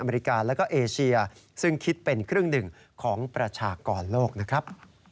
อริกาแล้วก็เอเชียซึ่งคิดเป็นครึ่งหนึ่งของประชากรโลกนะครับ